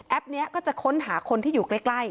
นี้ก็จะค้นหาคนที่อยู่ใกล้